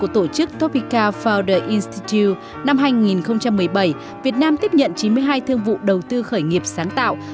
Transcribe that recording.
trước topika founder institute năm hai nghìn một mươi bảy việt nam tiếp nhận chín mươi hai thương vụ đầu tư khởi nghiệp sáng tạo